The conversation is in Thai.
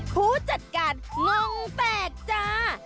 ผู้จัดการงงแตกจ้า